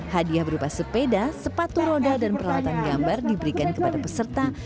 hadiah berupa sepeda sepatu roda dan peralatan gambar diberikan kepada peserta